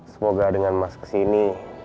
semoga dengan mas kesini